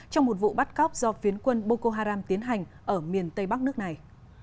trong một vụ bắt cóc do phiến quân boko haram tiến hành ở miền tây bắc nước này